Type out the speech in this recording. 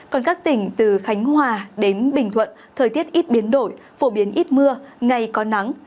còn các tỉnh từ khánh hòa đến bình thuận thời tiết ít biến đổi phổ biến ít mưa ngày có nắng